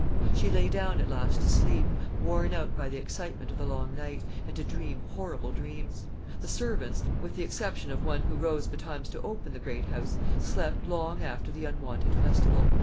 She lay down at last to sleep, worn out by the excitement of the long night, and to dream horrible dreams. The servants, with the exception of one who rose betimes to open the great house, slept long after the unwonted festival.